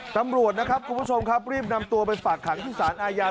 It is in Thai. ตำรวจนะครับคุณผู้ชมครับรีบนำตัวไปฝากขังที่สารอาญา